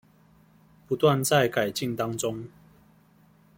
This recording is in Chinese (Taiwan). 不斷在改進當中